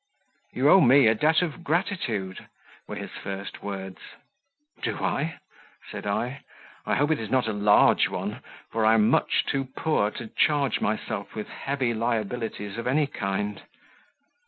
"You owe me a debt of gratitude," were his first words. "Do I?" said I; "I hope it is not a large one, for I am much too poor to charge myself with heavy liabilities of any kind."